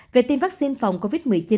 về tiêm vaccine phòng covid một mươi chín